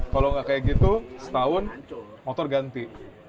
kalau nggak kayak gitu setahun motor ganti